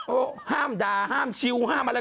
โอ้โหห้ามด่าห้ามชิวห้ามอะไร